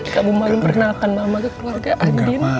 kamu malu perkenalkan mama ke keluarga andin